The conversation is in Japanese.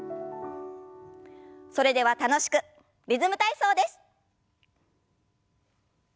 それでは楽しくリズム体操です。